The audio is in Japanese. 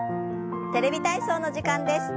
「テレビ体操」の時間です。